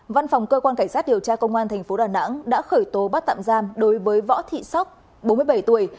văn phòng cơ quan cảnh sát điều tra công an tp đà nẵng đã khởi tố bắt tạm giam đối với võ thị sóc bốn mươi bảy tuổi